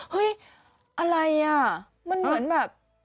เฮ้ยอะไรน่ะ